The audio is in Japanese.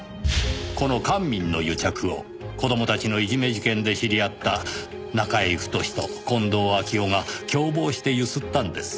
この官民の癒着を子供たちのいじめ事件で知り合った中居太と近藤秋夫が共謀して強請ったんです。